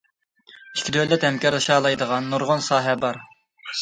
ئىككى دۆلەت ھەمكارلىشالايدىغان نۇرغۇن ساھە بار.